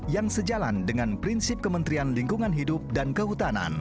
dan sejalan dengan prinsip kementrian lingkungan hidup dan kehutanan